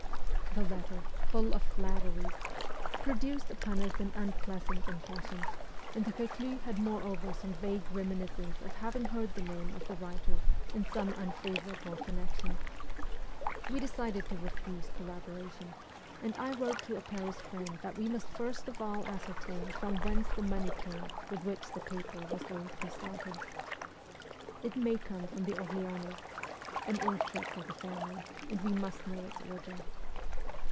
The letter, full of flatteries, produced upon us an un pleasant impression, and Reclus had moreover some vague reminiscence of having heard the name of the writer in some unfavourable connection. We decided to refuse collaboration, and I wrote to a Paris friend that we must first of all ascertain from whence the money came with which the paper was going to be started. ' It may come from the Orleanists an old trick of the family and we must know its origin.'